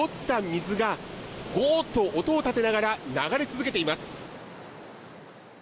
上流からは大量の濁った水がゴーっと音を立てながら流れ続けています。